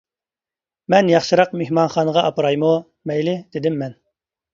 — مەن ياخشىراق مېھمانخانىغا ئاپىرايمۇ؟ — مەيلى، — دېدىم مەن.